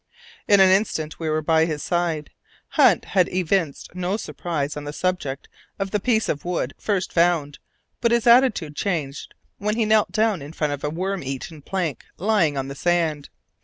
In an instant we were by his side. Hunt had evinced no surprise on the subject of the piece of wood first found, but his attitude changed when he knelt down in front of a worm eaten plank lying on the sand.